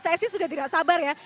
saya sih sudah tidak sabar ya